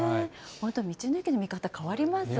本当、道の駅の見方、変わりますね。